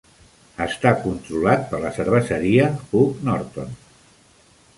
Està controlat per la cerveseria Hook Norton.